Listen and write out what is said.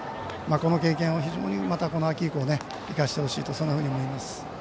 この経験を秋以降生かしてほしいとそんなふうに思います。